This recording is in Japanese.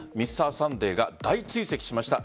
「Ｍｒ．サンデー」が大追跡しました。